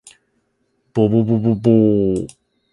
ぼぼぼぼぼお